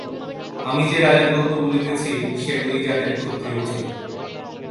আমি যে রাজার গল্প বলিতেছি সে ঐ জাতের ক্ষত্রিয় ছিল।